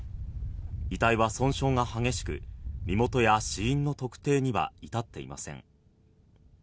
遺体は損傷が激しく、身元や死因の特定には至っていません。